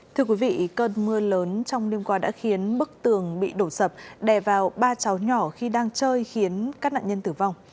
thưa quý vị cơn mưa lớn trong đêm qua đã khiến bức tường bị đổ sập đè vào ba cháu nhỏ khi đang chơi khiến các nạn nhân tử vong